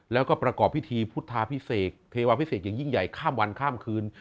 แล้วก็ประกอบพิธีพุทธาพิเศษเทวาพิเศษอย่างยิ่งใหญ่ข้ามวันข้ามคืน